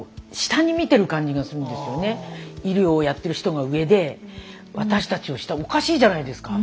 医療をやってる人が上で私たちは下おかしいじゃないですか。